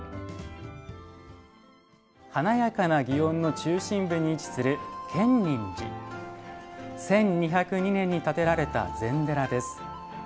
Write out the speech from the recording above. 華やかな祇園の中心部に位置する１２０２年に建てられた禅寺です。